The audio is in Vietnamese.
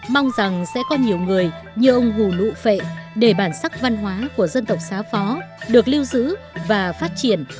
mong rằng sẽ có nhiều người như ông hù lụ phệ để bản sắc văn hóa của dân tộc xá phó được lưu giữ và phát triển